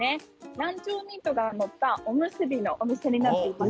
ランチョンミートが載ったおむすびのお店になっています。